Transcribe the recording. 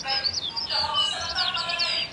مشرانو مخکي لا د کلي ترمنځ مينه پيدا کړې وه.